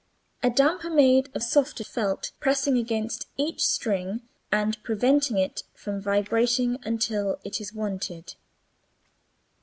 A damper (made of softer felt) pressing against each string and preventing it from vibrating until it is wanted.